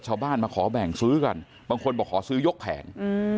ชาวบ้านมาขอแบ่งซื้อกันบางคนบอกขอซื้อยกแผง